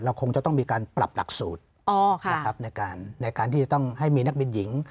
คงจะต้องมีการปรับหลักสูตรนะครับในการที่จะต้องให้มีนักบินหญิง